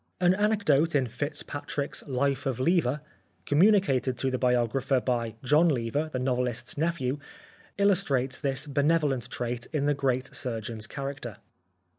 An anecdote in Fitzpatrick's " Life of Lever," communicated to the biographer by 25 The Life of Oscar Wilde John Lever, the novelist's nephew, illustrates this benevolent trait in the great surgeon's character.